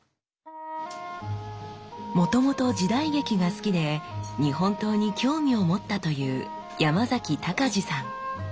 もともと時代劇が好きで日本刀に興味を持ったという山崎隆司さん。